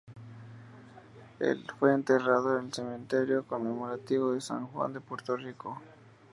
Fue enterrado en el Cementerio Conmemorativo de San Juan de Puerto Rico.